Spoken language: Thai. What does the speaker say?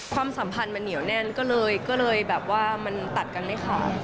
ความสัมพันธ์มันเหนียวแน่นก็เลยแบบว่ามันตัดกันไม่ขาด